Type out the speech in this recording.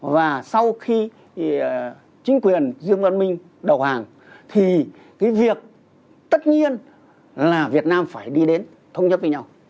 và sau khi chính quyền dương văn minh đầu hàng thì cái việc tất nhiên là việt nam phải đi đến thông nhất với nhau